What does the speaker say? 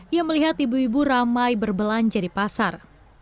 ia melihat ibu ibu ramai berbelanja di pasar